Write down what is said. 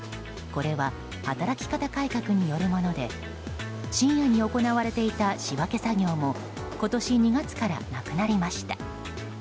これは、働き方改革によるもので深夜に行われていた仕分け作業も今年２月からなくなりました。